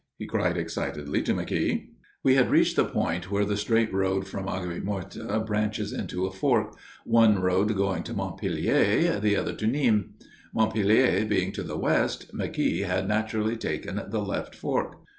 he cried excitedly to McKeogh. We had reached the point where the straight road from Aigues Mortes branches into a fork, one road going to Montpellier, the other to Nîmes. Montpellier being to the west, McKeogh had naturally taken the left fork.